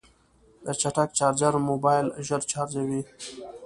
د چټک چارجر موبایل ژر چارجوي.